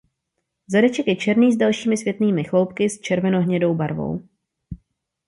Zadeček je černý s delšími světlými chloupky s červenohnědou barvou.